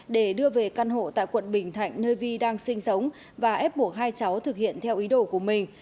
để đưa về căn hộ tại quận bình thạnh nơi vi đang sinh sống và ép buộc hai cháu thực hiện theo ý đồ của mình